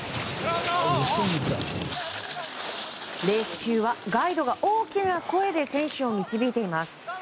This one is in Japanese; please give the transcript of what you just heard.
レース中はガイドが大きな声で選手を導いています。